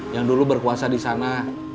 yang dulu berkuasa disana